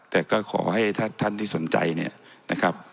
แต่ก็ขอให้ท่านที่สนใจเนี่ยนะครับ